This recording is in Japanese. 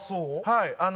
はい。